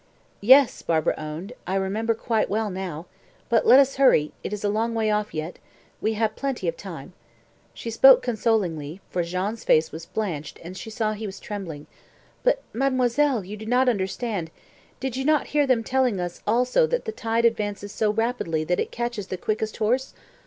"Yes," Barbara owned; "I remember quite well now. But let us hurry it is a long way off yet. We have plenty of time." She spoke consolingly, for Jean's face was blanched and she saw he was trembling. "But, mademoiselle, you do not understand. Did you not hear them telling us also that the tide advances so rapidly that it catches the quickest horse?